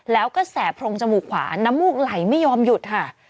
แล้วก็แสบพรงจมูกขวาน้ำมูกไหลไม่ยอมหยุดค่ะ